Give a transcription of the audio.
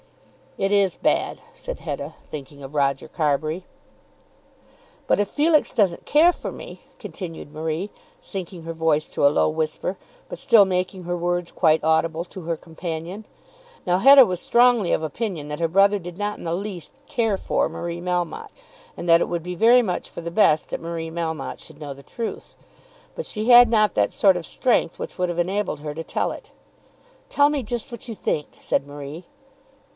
"It is bad," said Hetta, thinking of Roger Carbury. "But if Felix doesn't care for me!" continued Marie, sinking her voice to a low whisper, but still making her words quite audible to her companion. Now Hetta was strongly of opinion that her brother did not in the least "care for" Marie Melmotte, and that it would be very much for the best that Marie Melmotte should know the truth. But she had not that sort of strength which would have enabled her to tell it. "Tell me just what you think," said Marie.